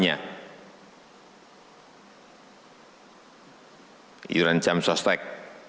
ini adalah iuran jam sosial